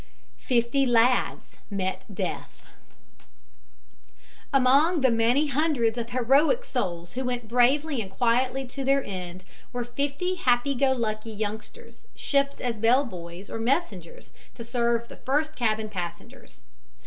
FIFTY LADS MET DEATH Among the many hundreds of heroic souls who went bravely and quietly to their end were fifty happy go lucky youngsters shipped as bell boys or messengers to serve the first cabin passengers.